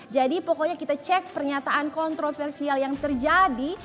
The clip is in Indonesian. jadi pokoknya kita cek pernyataan kontroversial yang terjadi